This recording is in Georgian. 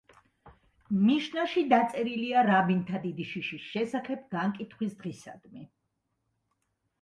მიშნაში დაწერილია რაბინთა დიდი შიშის შესახებ განკითხვის დღისადმი.